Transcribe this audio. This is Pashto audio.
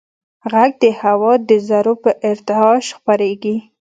غږ د هوا د ذرّو په ارتعاش خپرېږي.